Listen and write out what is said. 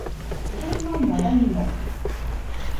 Dɨnomo raɨno